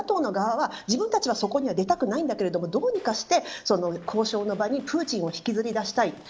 ＮＡＴＯの側は自分たちはそこには出たくないんだけどどうにかして、交渉の場にプーチンを引きずり出したい。